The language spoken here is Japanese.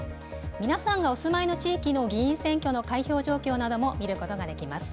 皆さんがお住まいの地域の議員選挙の開票状況なども見ることができます。